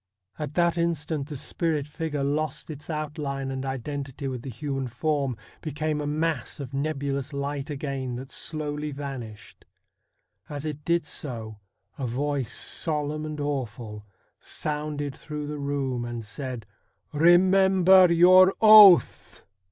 At that instant the spirit figure lost its outline and identity with the human form — became a mass of nebulous light again d2 36 STORIES WEIRD AND WONDERFUL that slowly vanished. As it did so a voice solemn and awful sounded through the room, and said :' Eemember your oath